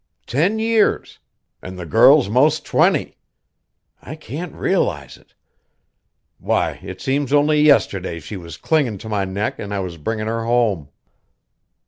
Ten years an' the girl's most twenty. I can't realize it. Why, it seems only yesterday she was clingin' to my neck an' I was bringin' her home."